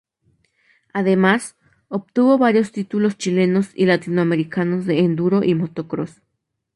Además, obtuvo varios títulos chilenos y latinoamericanos de enduro y motocross.